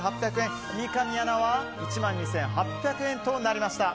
三上アナは１万２８００円となりました。